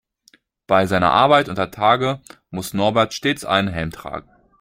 Bei seiner Arbeit untertage muss Norbert stets einen Helm tragen.